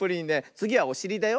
つぎはおしりだよ。